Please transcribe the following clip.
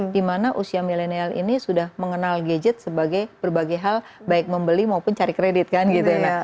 dimana usia milenial ini sudah mengenal gadget sebagai berbagai hal baik membeli maupun cari kredit kan gitu ya